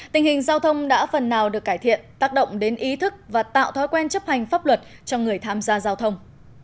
tình hình giao thông đã phần nào được cải thiện tác động đến ý thức và tạo thói quen chấp hành pháp luật cho người tham gia giao thông